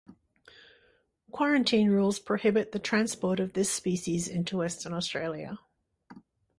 Quarantine rules prohibit the transport of this species into Western Australia.